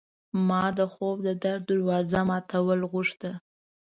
ما د خوب د در د دوازو ماتول غوښته